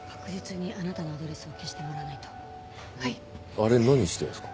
あれ何してんですか？